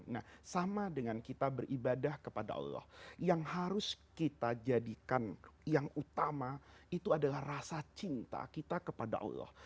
nah sama dengan kita beribadah kepada allah yang harus kita jadikan yang utama itu adalah rasa cinta kita kepada allah